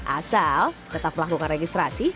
asal tetap melakukan registrasi